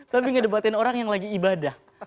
tapi ngedebatin orang yang lagi ibadah